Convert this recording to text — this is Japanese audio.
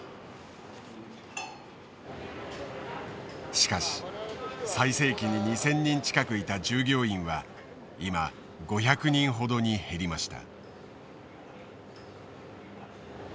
しかし最盛期に２，０００人近くいた従業員は今５００人ほどに減りました。